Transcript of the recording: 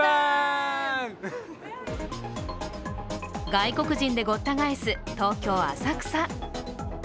外国人でごった返す東京・浅草。